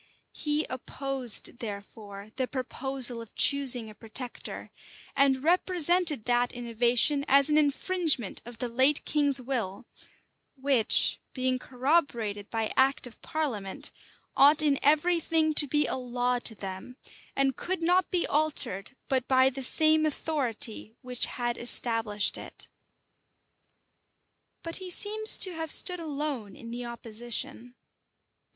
He opposed, therefore, the proposal of choosing a protector; and represented that innovation as an infringement of the late king's will, which, being corroborated by act of parliament, ought in every thing to be a law to them, and could not be altered but by the same authority which had established it. But he seems to have stood alone in the opposition.